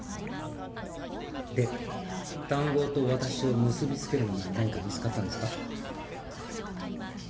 で談合と私を結び付けるものは何か見つかったんですか？